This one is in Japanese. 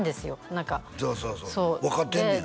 何かそうそうそう分かってんねや